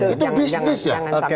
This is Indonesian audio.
itu bisnis ya